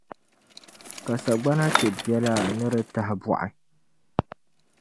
Ka sagbana chɛ biɛla ni di tahibɔɣi.